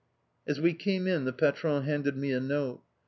As we came in the patronne handed me a note.